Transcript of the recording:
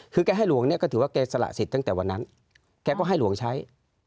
คือแกให้หลวงเนี่ยก็ถือว่าแกสละสิทธิ์ตั้งแต่วันนั้นแกก็ให้หลวงใช้